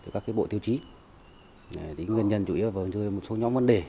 các bộ tiêu chí nguyên nhân chủ yếu một số nhóm vấn đề